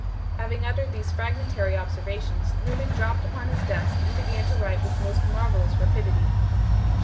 Having uttered these fragmentary observations, Newman dropped upon his desk and began to write with most marvellous rapidity.